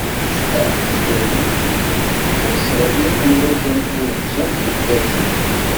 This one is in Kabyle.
Anect-a ttwalin-t d aseɣli i wazal n tirrugza n yigazen.